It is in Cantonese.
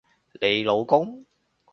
你老公？